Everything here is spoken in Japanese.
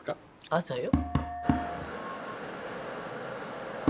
朝よ。